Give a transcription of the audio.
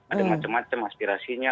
ada macam macam aspirasinya